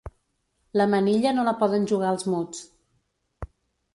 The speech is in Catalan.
La manilla no la poden jugar els muts.